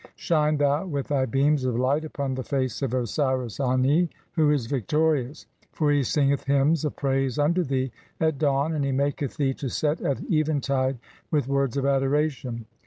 Shine thou with thy beams of light upon "the face of Osiris Ani, who is victorious ; for he singeth hymns "of praise unto thee at (4) dawn, and he raaketh thee to set at "eventide with words of adoration.